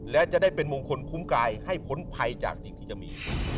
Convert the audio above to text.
และจะได้เป็นมงคลคุ้มกายให้พ้นภัยจากสิ่งที่จะมี